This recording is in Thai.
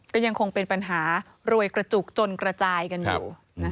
ก็ยังคงเป็นปัญหารวยกระจุกจนกระจายกันอยู่